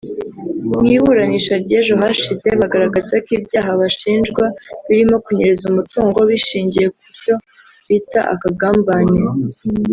Mu iburanisha ry’ejo hashize bagaragaza ko ibyaha bashinjwa biromo kunyereza umutungo bishingiye ku cyo bita akagambane